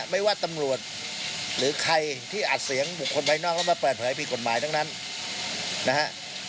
ไม่ว่าตำรวจหรือใครที่อัดเสียงบุคคลภายนอกแล้วมาเปิดเผยผิดกฎหมายทั้งนั้นนะฮะ